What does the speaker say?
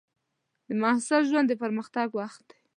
د محصل ژوند د پرمختګ وخت دی.